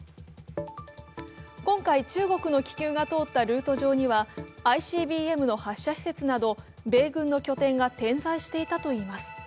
今回、中国の気球が通ったルート上にはＩＣＢＭの発射施設など米軍の拠点が点在していたといいます。